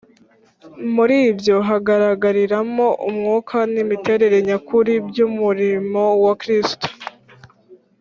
muri ibyo, hagaragariramo umwuka n’imiterere nyakuri by’umurimo wa kristo